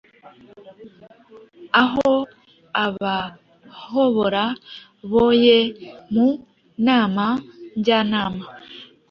Aho Abahobora boe mu Nama Njyanama